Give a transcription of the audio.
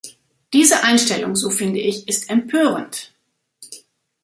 Diese Einstellung, so finde ich, ist empörend.